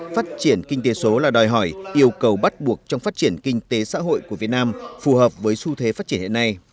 phát triển kinh tế số là đòi hỏi yêu cầu bắt buộc trong phát triển kinh tế xã hội của việt nam phù hợp với xu thế phát triển hiện nay